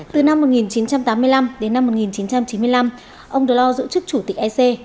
từ năm một nghìn chín trăm tám mươi năm đến năm một nghìn chín trăm chín mươi năm ông delors giữ chức chủ tịch ec